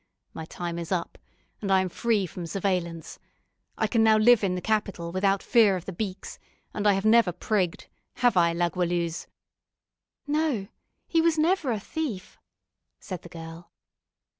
My time is up, and I am free from surveillance. I can now live in the capital, without fear of the 'beaks;' and I have never prigged, have I, La Goualeuse?" "No, he was never a thief," said the girl.